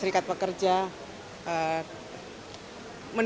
mendekat kepada kelompok keagamaan